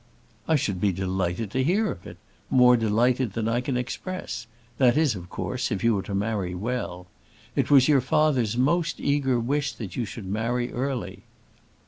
"I should be delighted to hear of it more delighted than I can express; that is, of course, if you were to marry well. It was your father's most eager wish that you should marry early."